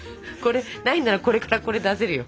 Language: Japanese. ないんならこれからこれ出せるよ！